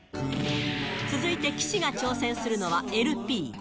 続いて岸が挑戦するのはＬＰ。